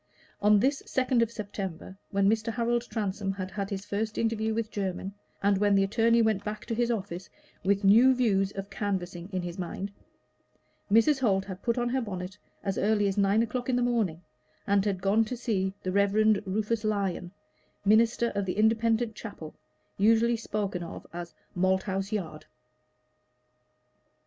On this second of September, when Mr. Harold Transome had had his first interview with Jermyn, and when the attorney went back to his office with new views of canvassing in his mind, Mrs. Holt had put on her bonnet as early as nine o'clock in the morning, and had gone to see the Reverend Rufus Lyon, minister of the Independent Chapel usually spoken of as "Malthouse Yard."